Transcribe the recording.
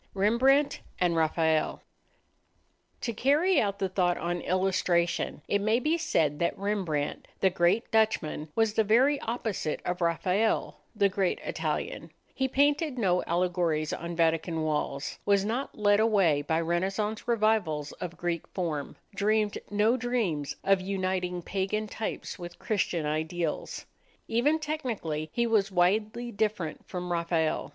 Rembrandt and Raphael [Illustration: PORTRAIT OF A MAN Altman Collection of Metropolitan Museum, New York] To carry out the thought in illustration, it may be said that Rembrandt, the great Dutchman, was the very opposite of Raphael, the great Italian. He painted no allegories on Vatican walls, was not led away by Renaissance revivals of Greek form, dreamed no dreams of uniting pagan types with Christian ideals. Even technically he was widely different from Raphael.